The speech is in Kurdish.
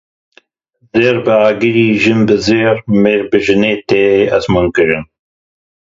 Zêr bi agirî, jin bi zêrî, mêr bi jinê tê ezmûnkirin.